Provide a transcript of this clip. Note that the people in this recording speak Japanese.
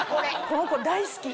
この子大好き！